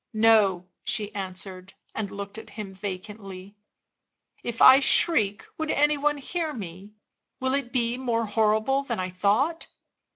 " No," she answered, and looked at him vacantly. " If I shriek would any one hear me ? Will it be more horrible than I thought